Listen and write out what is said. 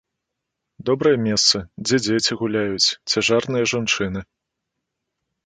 Добрае месца, дзе дзеці гуляюць, цяжарныя жанчыны.